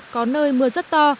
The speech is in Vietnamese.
có nơi mưa rất to